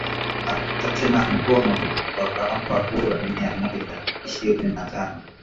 akata tena kwa mkono wakamupa kura mia moja ishirini na tano